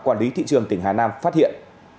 quản lý thị trường tỉnh hà nam phát hiện